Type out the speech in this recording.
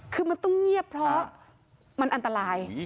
คือมันต้องเงียบเพราะมันอันตราย